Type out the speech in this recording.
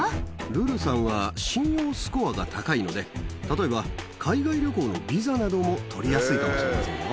ルルさんは、信用スコアが高いので、例えば、海外旅行のビザなども取りやすいかもしれませんよ。